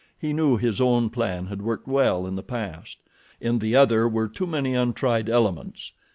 He knew his own plan had worked well in the past. In the other were too many untried elements.